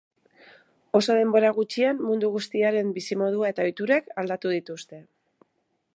Oso denbora gutxian mundu guztiaren bizimodua eta ohiturak aldatu dituzte.